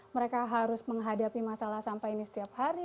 mereka harus menghadapi masalah sampah ini setiap hari